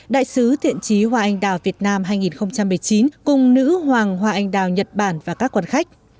đại sứ thiện trí hoa anh đào việt nam hai nghìn một mươi chín cùng nữ hoàng hoa anh đào nhật bản và các quan khách